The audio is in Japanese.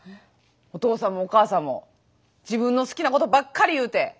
お父さんもお母さんも自分の好きなことばっかり言うて。